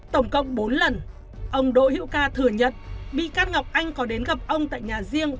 tổng cộng bốn lần ông đỗ hữu ca thừa nhận bị can ngọc anh có đến gặp ông tại nhà riêng